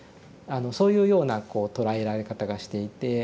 そういうようなこう捉えられ方がしていて。